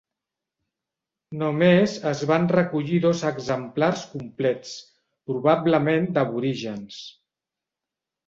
Només es van recollir dos exemplars complets, probablement d'aborígens.